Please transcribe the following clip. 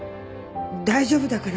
大丈夫だから。